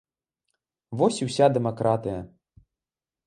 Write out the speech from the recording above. Вось і ўся дэмакратыя!